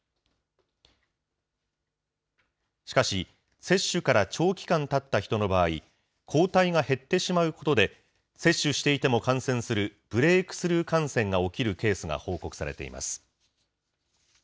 しかし、接種から長期間たった人の場合、抗体が減ってしまうことで、接種していても感染するブレイクスルー感染が起きるケースが報告されています。